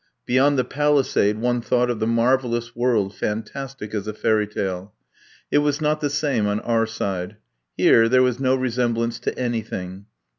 Beyond the palisade, one thought of the marvellous world, fantastic as a fairy tale. It was not the same on our side. Here, there was no resemblance to anything.